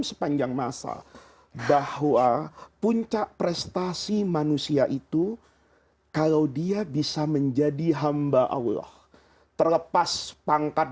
sepanjang masa bahwa puncak prestasi manusia itu kalau dia bisa menjadi hamba allah terlepas pangkat